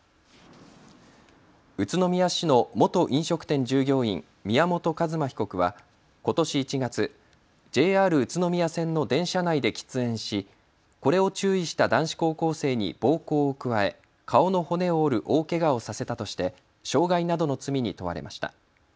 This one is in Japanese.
宇都宮市の元飲食店従業員、宮本一馬被告はことし１月、ＪＲ宇都宮線の電車内で喫煙しこれを注意した男子高校生に暴行を加え顔の骨を折る大けがをさせたとして傷害などの罪に問われました。